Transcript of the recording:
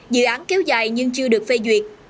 dự án kéo dài nhưng chưa được phê duyệt